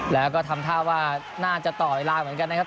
แล้วก็ทำท่าว่าน่าจะต่อเวลาเหมือนกันนะครับ